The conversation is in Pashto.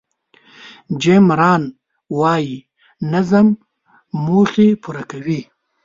جیم ران وایي نظم موخې پوره کوي.